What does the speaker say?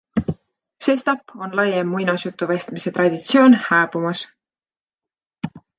Sestap on laiem muinasjutuvestmise traditsioon hääbumas.